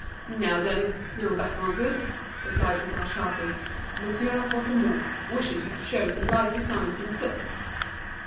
"Now, then, no back answers," replied Hutin sharply. "Monsieur Bouthemont wishes you to show some light designs in silks."